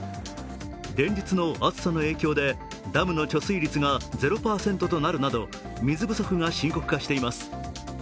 連日の暑さの影響で、ダムの貯水率が０％となるなど水不足が深刻化しています。